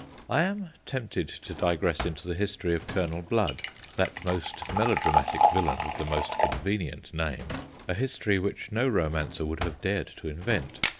I am tempted to digress into the history of Colonel Blood, that most melodramatic villain with the most convenient name a history which no romancer would have dared to invent.